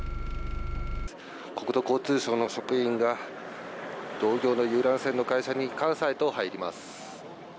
国土交通省の職員が同業の遊覧船の会社に監査へと入ります。